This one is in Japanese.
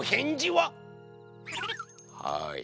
はい。